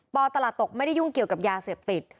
ตลาดตกไม่ได้ยุ่งเกี่ยวกับยาเสพติด